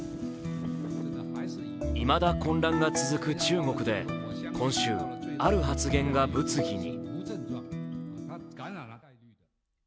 いまだ混乱が続く中国で今週、ある発言が物議に。